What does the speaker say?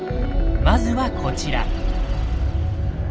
まずはこちら。